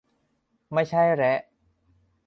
ไม่ใช่แระ